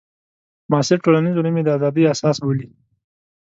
معاصر ټولنیز علوم یې د ازادۍ اساس بولي.